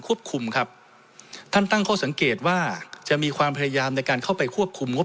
คุมครับท่านตั้งข้อสังเกตว่าจะมีความพยายามในการเข้าไปควบคุมงบ